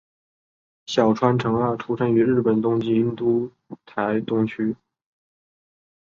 小川诚二出生于日本东京都台东区。